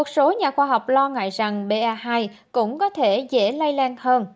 số nhà khoa học lo ngại rằng ba hai cũng có thể dễ lay lan hơn